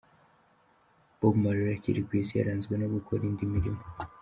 Bob Marley akiri ku isi, yaranzwe no gukora indirimbo.